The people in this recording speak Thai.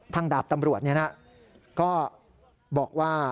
ทางดาบตำรวจเนี่ยนะ